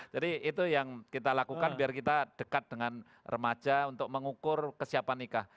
itu yang kita lakukan biar kita dekat dengan remaja untuk mengukur kesiapan nikah